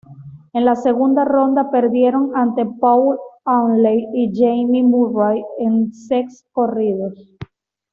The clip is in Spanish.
En la segunda ronda perdieron ante Paul Hanley y Jamie Murray en sets corridos.